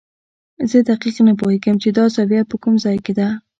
زه دقیق نه پوهېږم چې دا زاویه په کوم ځای کې ده.